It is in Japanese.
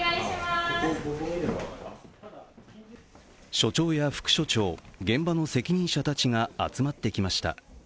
所長や副所長、現場の責任者たちが集まってきました。